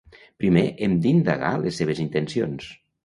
Primer hem d'indagar les seves intencions.